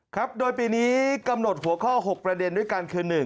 ครับโดยปีนี้กำหนดหัวข้อ๖ประเด็นด้วยกันคือ